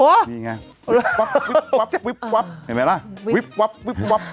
วิบว๊อบวิบว๊อบเห็นไหมล่ะวิบว๊อบวิบว๊อบ